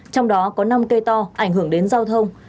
trong đó có năm cây to ảnh hưởng đến giao thông